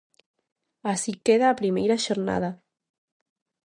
Así queda a primeira xornada.